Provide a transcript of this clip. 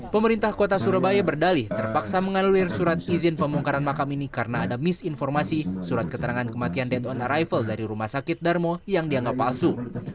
pemerintah kota surabaya berdalih terpaksa menganulir surat izin pembongkaran makam ini karena ada misinformasi surat keterangan kematian dead on arrival dari rumah sakit darmo yang dianggap palsu